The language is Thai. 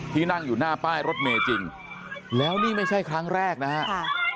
นั่งอยู่หน้าป้ายรถเมย์จริงแล้วนี่ไม่ใช่ครั้งแรกนะฮะ